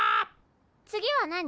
次は何？